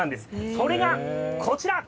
それがこちら。